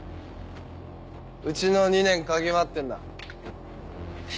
うちの２年嗅ぎ回ってんのは。